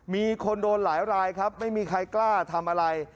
มีคนโดนหลายรายครับไม่มีใครกล้าทำอะไร